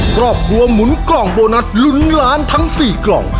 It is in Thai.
ครอบครัวหมุนกล่องโบนัสลุ้นล้านทั้ง๔กล่อง